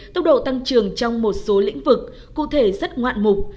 tốc độ tăng trưởng trong một số lĩnh vực cụ thể rất ngoạn mục